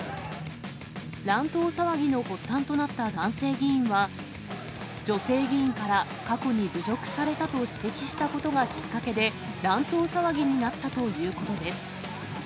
乱闘騒ぎの発端となった男性議員は、女性議員から過去に侮辱されたと指摘したことがきっかけで、乱闘騒ぎになったということです。